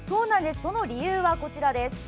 その理由はこちらです。